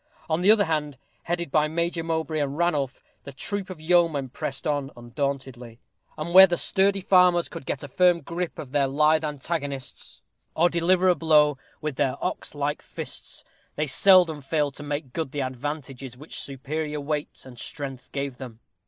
On the other hand, headed by Major Mowbray and Ranulph, the troop of yeomen pressed on undauntedly; and where the sturdy farmers could get a firm gripe of their lithe antagonists, or deliver a blow with their ox like fists, they seldom failed to make good the advantages which superior weight and strength gave them.